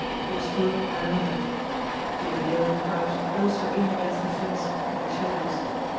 It was followed by another. Jimmie Dale crouched closer in against the fence in the shadows.